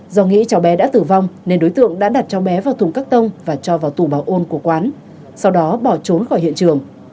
do nghĩ cháu bé đã tử vong nên đối tượng đã đặt cháu bé vào thùng cắt tông và cho vào tủ bảo ôn của quán sau đó bỏ trốn khỏi hiện trường